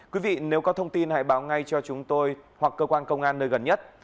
quý vị nếu có thông tin hãy báo ngay cho chúng tôi hoặc cơ quan công an nơi gần nhất